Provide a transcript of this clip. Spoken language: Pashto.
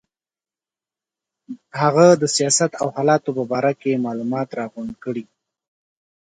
د هغه د سیاست او حالاتو په باره کې معلومات راغونډ کړي.